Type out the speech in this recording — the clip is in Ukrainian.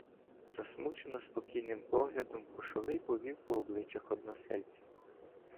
Засмучено-спокійним поглядом Кошовий повів по обличчях односельців.